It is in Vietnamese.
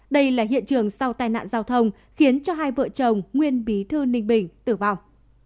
đây là hiện trường sau tai nạn giao thông khiến cho hai vợ chồng nguyên bí thư ninh bình tử vong